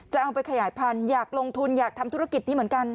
จะเอาไปขยายพันธุ์อยากลงทุนอยากทำธุรกิจนี้เหมือนกัน